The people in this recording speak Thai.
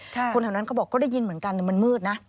คนแถวนั้นก็บอกก็ได้ยินเหมือนกันแต่มันมืดนะ